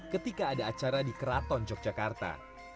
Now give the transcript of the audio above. ketika ada acara di keraton yogyakarta